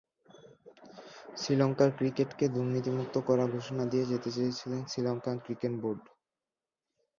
শ্রীলঙ্কার ক্রিকেটকে দুর্নীতিমুক্ত করার ঘোষণা দিয়ে যেতে চেয়েছিলেন শ্রীলঙ্কান ক্রিকেট বোর্ডে।